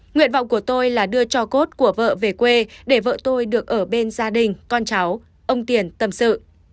nguyện vọng của tôi là đưa cho cốt của vợ về quê để vợ tôi được ở bên gia đình con cháu ông tiền tâm sự